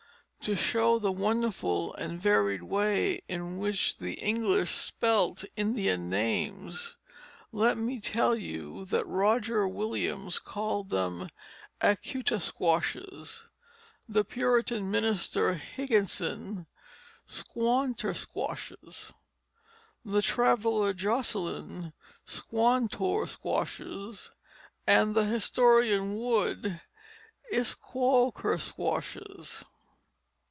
To show the wonderful and varied way in which the English spelt Indian names let me tell you that Roger Williams called them askutasquashes; the Puritan minister Higginson, squantersquashes; the traveller Josselyn, squontorsquashes, and the historian Wood, isquoukersquashes.